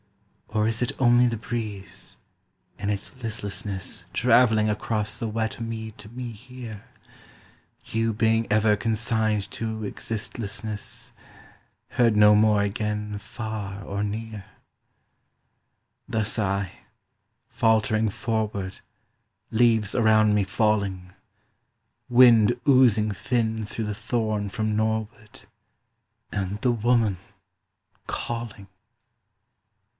Or is it only the breeze, in its listlessness Travelling across the wet mead to me here, You being ever consigned to existlessness, Heard no more again far or near? Thus I; faltering forward, Leaves around me falling, Wind oozing thin through the thorn from norward And the woman calling.